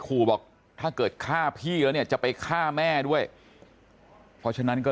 ขู่บอกถ้าเกิดฆ่าพี่แล้วเนี่ยจะไปฆ่าแม่ด้วยเพราะฉะนั้นก็